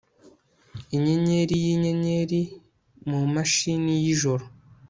inyenyeri yinyenyeri mumashini yijoro